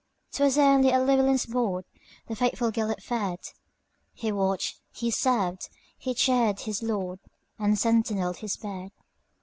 'T was only at Llewelyn's boardThe faithful Gêlert fed; He watched, he served, he cheered his lord, And sentineled his bed.